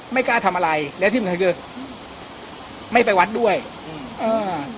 ไม่กล้าทำอะไรแล้วที่สำคัญคือไม่ไปวัดด้วยอืมอ่า